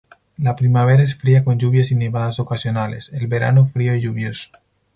La primavera es fría con lluvias y nevadas ocasionales, el verano frío y lluvioso.